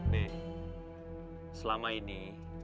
nih selama ini